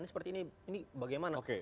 seperti ini ini bagaimana